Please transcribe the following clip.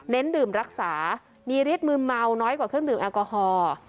ดื่มรักษามีฤทธิมืนเมาน้อยกว่าเครื่องดื่มแอลกอฮอล์